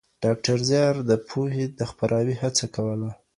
ډاکټر زیار د پوهې د خپراوي هڅه کوله.